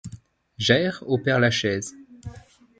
J’erre au Père-Lachaise